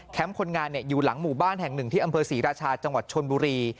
คนงานอยู่หลังหมู่บ้านแห่งหนึ่งที่อำเภอศรีราชาจังหวัดชนบุรี